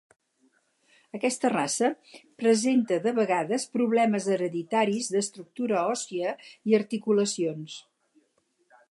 Aquesta raça presenta de vegades problemes hereditaris d'estructura òssia i articulacions.